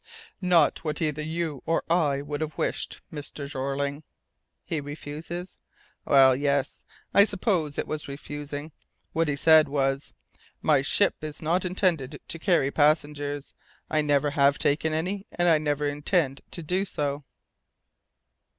"Not what either you or I would have wished, Mr. Jeorling." "He refuses?" "Well, yes, I suppose it was refusing; what he said was: 'My ship is not intended to carry passengers. I never have taken any, and I never intend to do so.'"